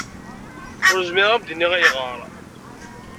Ur zmireɣ ad m-d-iniɣ ayɣer.